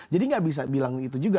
jadi nggak bisa bilang itu juga